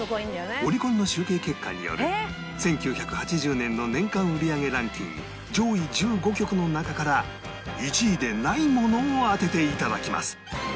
オリコンの集計結果による１９８０年の年間売り上げランキング上位１５曲の中から１位でないものを当てていただきます